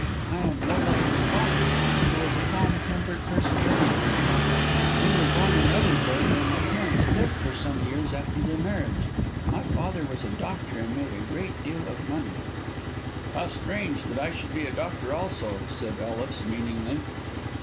I am more like my father, who was a calm tempered, persevering man. We were born in Edinburgh, where my parents lived for some years after their marriage. My father was a doctor, and made a great deal of money." "How strange that I should be a doctor also," said Ellis, meaningly.